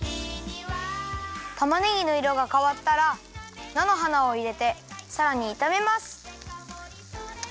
たまねぎのいろがかわったらなのはなをいれてさらにいためます。